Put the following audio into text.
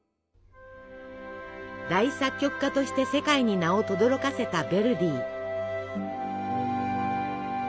大作曲家として世界に名をとどろかせたヴェルディ。